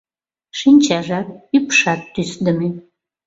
Шинчажат, ӱпшат тӱсдымӧ.